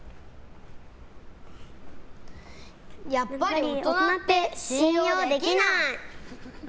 やっぱり大人って信用できない！